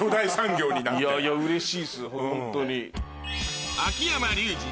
いやいやうれしいっすホントに。